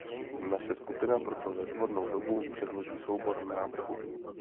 Naše skupina proto ve vhodnou dobu předloží soubor návrhů.